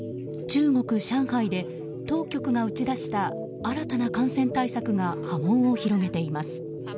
中国・上海で当局が打ち出した新たな感染対策が波紋を広げています。